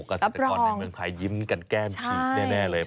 เกษตรกรในเมืองไทยยิ้มกันแก้มฉีกแน่เลย